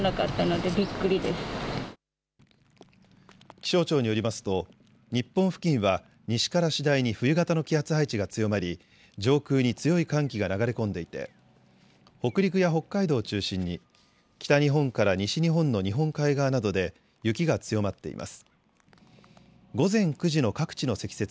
気象庁によりますと日本付近は西から次第に冬型の気圧配置が強まり、上空に強い寒気が流れ込んでいて北陸や北海道を中心に北日本から西日本の日本海側などで雪が強まっています。